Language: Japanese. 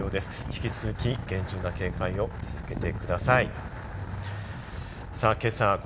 引き続き、厳重な警戒を続けてください。